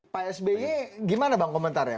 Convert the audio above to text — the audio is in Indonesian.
pak sby gimana bang komentar ya